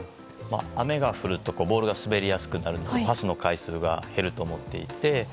雨が降るとボールが滑りやすくなるのでパスの回数が減ると思っていて。